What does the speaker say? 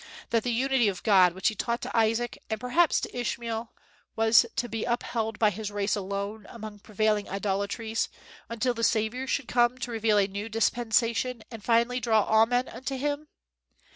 that the unity of God, which he taught to Isaac and perhaps to Ishmael, was to be upheld by his race alone among prevailing idolatries, until the Saviour should come to reveal a new dispensation and finally draw all men unto him?